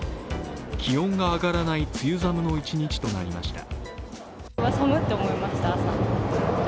気温が上がらない梅雨寒の一日となりました。